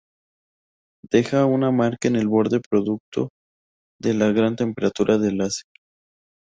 Deja una marca en el borde producto de la gran temperatura del láser.